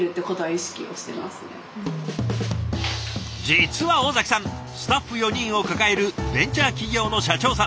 実は尾崎さんスタッフ４人を抱えるベンチャー企業の社長さん。